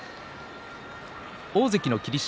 大関の霧島